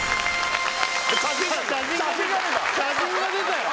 写真が出たよ